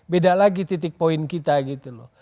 beda lagi titik poin kita gitu loh